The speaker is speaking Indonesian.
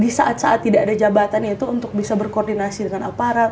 di saat saat tidak ada jabatan yaitu untuk bisa berkoordinasi dengan aparat